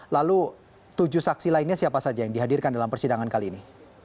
lalu tujuh saksi lainnya siapa saja yang dihadirkan dalam persidangan kali ini